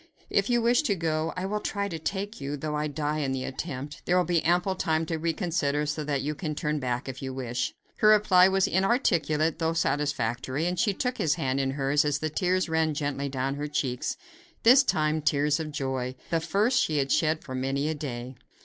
If you wish to go, I will try to take you, though I die in the attempt. There will be ample time to reconsider, so that you can turn back if you wish." Her reply was inarticulate, though satisfactory; and she took his hand in hers as the tears ran gently down her cheeks; this time tears of joy the first she had shed for many a day.